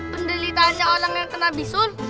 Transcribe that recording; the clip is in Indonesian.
penderitaannya orang yang kena bisun